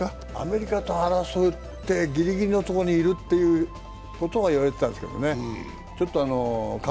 アメリカと争ってギリギリのところにいると言われてたんですけどね。